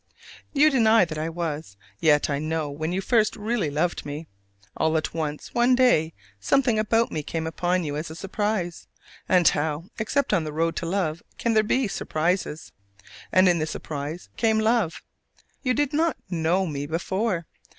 You deny that I was: yet I know when you first really loved me. All at once, one day something about me came upon you as a surprise: and how, except on the road to love, can there be surprises? And in the surprise came love. You did not know me before.